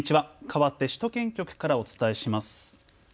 かわって首都圏局からお伝えします。